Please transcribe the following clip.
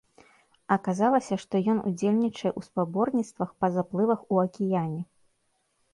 Аказалася, што ён удзельнічае ў спаборніцтвах па заплывах у акіяне.